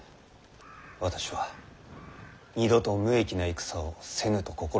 私は二度と無益な戦をせぬと心に決めております。